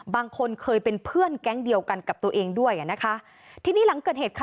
บางคนเคยเป็นเพื่อนแก๊งเดียวกันกับตัวเองด้วยอ่ะนะคะทีนี้หลังเกิดเหตุค่ะ